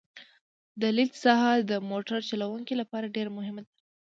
د لید ساحه د موټر چلوونکي لپاره ډېره مهمه ده